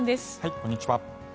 こんにちは。